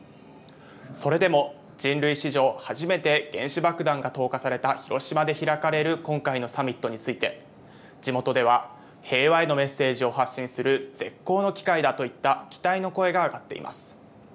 それでも、人類史上初めて原子爆弾が投下された広島で開かれる今回のサミットについて、地元では平和へのメッセージを発信する絶好の機会だといった期待の声が上がっています。